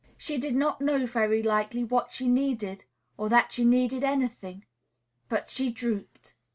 She did not know, very likely, what she needed, or that she needed any thing; but she drooped.